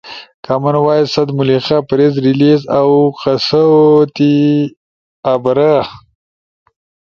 کامن وائس ست ملحقہ پریس ریلیس اؤ قصؤ تے آبرا